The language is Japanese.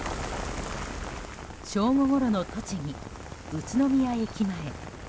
正午ごろの栃木・宇都宮駅前。